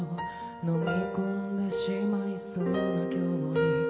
「飲み込んでしまいそうな今日に」